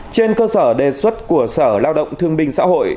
trên cơ sở đề xuất của sở lao động thương binh xã hội